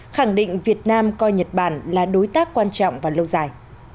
khẳng định việt nam coi nhật bản là đối tác quan trọng và lâu dài